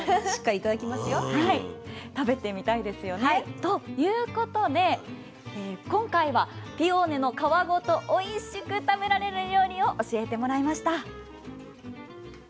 ということで今回はピオーネの皮ごとおいしく食べられる料理を教えてもらいました。